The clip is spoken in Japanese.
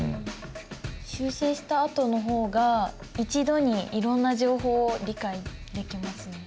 修正したあとの方が一度にいろんな情報を理解できますね。